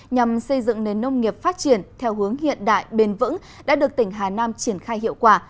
nhằm xây dựng nền nông nghiệp phát triển theo hướng hiện đại bền vững đã được tỉnh hà nam triển khai hiệu quả